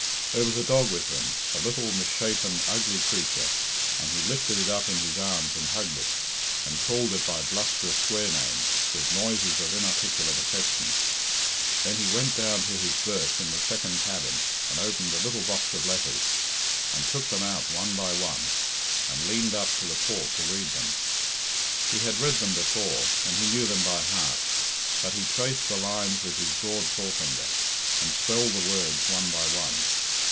There was a dog with him, a little, misshappen, ugly creature, and he lifted it up in his arms and hugged it, and called it by blusterous swear names, with noises of inarticulate affection. Then he went down to his berth in the second cabin and opened a little box of letters, and took them out one by one, and leaned up to the port to read them. He had read them before, and he knew them by heart, but he traced the lines with his broad forefinger, and spelled the words one by one.